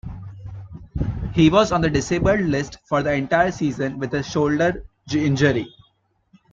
He was on the disabled list for the entire season with a shoulder injury.